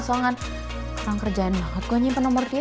orang kerjaan banget gue nyimpen nomor dia